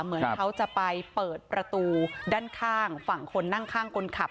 เหมือนเขาจะไปเปิดประตูด้านข้างฝั่งคนนั่งข้างคนขับ